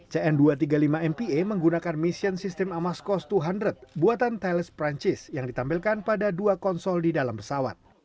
cn dua ratus tiga puluh lima mpe menggunakan mission system amascos dua ratus buatan thales prancis yang ditampilkan pada dua konsol di dalam pesawat